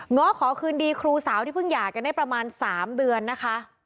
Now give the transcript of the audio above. ง้อขอคืนดีครูสาวที่เพิ่งหย่ากันได้ประมาณ๓เดือนนะคะ